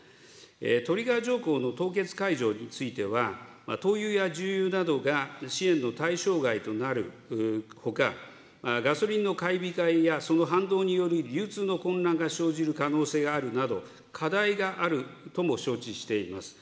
トリガー条項の凍結解除については、灯油や重油などが支援の対象外となるほか、ガソリンの買い控えやその反動による流通の混乱が生じる可能性があるなど、課題があるとも承知しています。